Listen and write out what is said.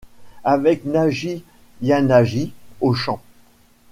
Avec Nagi Yanagi au chant.